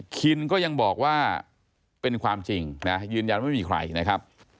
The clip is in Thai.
คินก็ยังบอกว่าเป็นความจริงนะยืนยันว่าไม่มีใครนะครับ